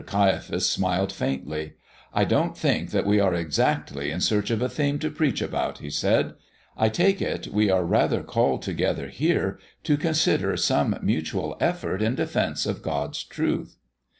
Caiaphas smiled faintly. "I don't think that we are exactly in search of a theme to preach about," he said. "I take it we are rather called together here to consider some mutual effort in defence of God's truth."